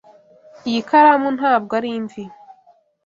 Iyi karamu ntabwo ari imvi.